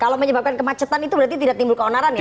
kalau menyebabkan kemacetan itu berarti tidak timbul keonaran ya